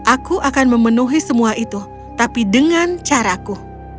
aku akan memenuhi semua itu tapi dengan caraku